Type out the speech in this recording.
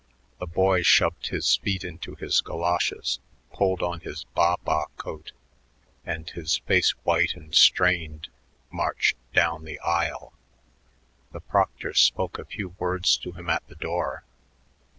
The boy shoved his feet into his goloshes, pulled on his baa baa coat, and, his face white and strained, marched down the aisle. The proctor spoke a few words to him at the door.